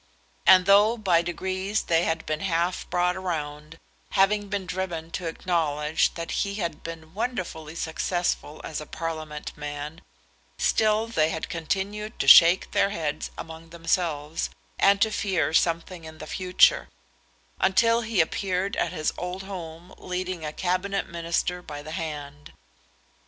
And though by degrees they had been half brought round, having been driven to acknowledge that he had been wonderfully successful as a Parliament man, still they had continued to shake their heads among themselves, and to fear something in the future, until he appeared at his old home leading a Cabinet Minister by the hand.